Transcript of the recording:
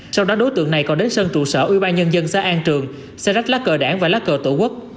sau đó đối tượng này còn đến sân trụ sở ubnd xã an trường xe rách lá cờ đảng và lá cờ tổ quốc